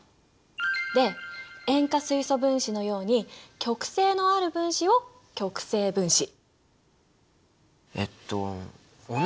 で塩化水素分子のように極性のある分子を極性分子。